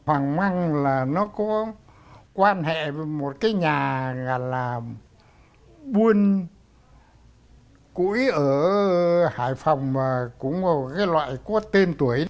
hoàng măng là nó có quan hệ với một cái nhà là buôn củi ở hải phòng mà cũng là một cái loại có tên tuổi